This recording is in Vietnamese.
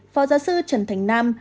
phó giáo sư trần thành nam